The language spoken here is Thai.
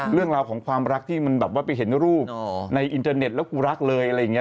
เรื่องราวของความรักที่มันแบบว่าไปเห็นรูปในอินเทอร์เน็ตแล้วกูรักเลยอะไรอย่างนี้